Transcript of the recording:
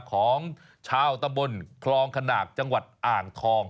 ของชาวตำบลคลองขนากจังหวัดอ่างทอง